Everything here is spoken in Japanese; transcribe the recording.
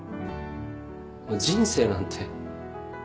人生なんて。